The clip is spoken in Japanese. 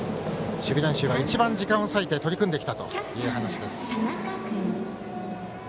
守備練習は一番時間を割いて取り組んできたという話です。